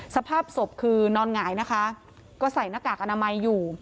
สภาพศพคือนอนหงายนะคะก็ใส่หน้ากากอนามัยอยู่